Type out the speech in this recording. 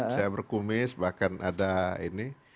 saya berkumis bahkan ada ini